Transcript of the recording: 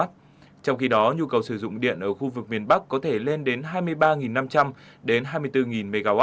trong khi đó nhu cầu sử dụng điện ở khu vực miền bắc có thể lên đến hai mươi ba năm trăm linh đến hai mươi bốn mw